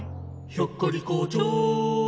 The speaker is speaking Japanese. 「ひょっこり校長」